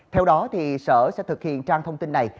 theo đó sở sẽ thực hiện trang thông tin này